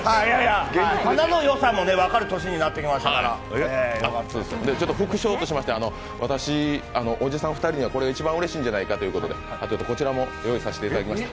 花の良さも分かる年になってきましたから副賞としまして、おじさん２人はこれが一番じゃないかとこちらも用意させていただきました、